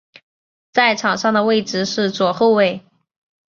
在场上的位置是左后卫。